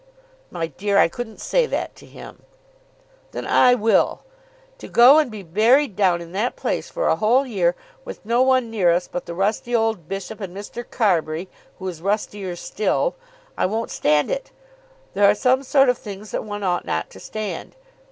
"My dear, I couldn't say that to him." "Then I will. To go and be buried down in that place for a whole year with no one near us but the rusty old bishop and Mr. Carbury, who is rustier still. I won't stand it. There are some sort of things that one ought not to stand.